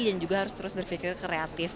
dan juga harus terus berpikir kreatif